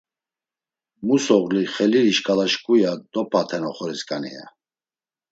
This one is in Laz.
Musoğli Xelili şǩala şǩu, ya; dop̌aten oxorisǩani, ya.